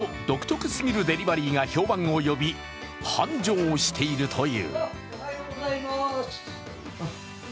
その独特すぎるデリバリーが評判を呼び、繁盛しているという。